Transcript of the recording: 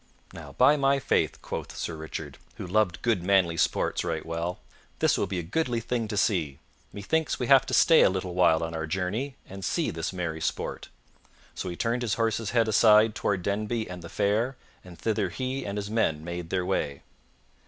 "Now, by my faith," quoth Sir Richard, who loved good manly sports right well, "this will be a goodly thing to see. Methinks we have to stay a little while on our journey, and see this merry sport." So he turned his horse's head aside toward Denby and the fair, and thither he and his men made their way.